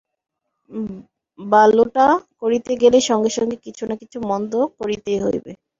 ভালটা করিতে গেলেই সঙ্গে সঙ্গে কিছু না কিছু মন্দ করিতেই হইবে।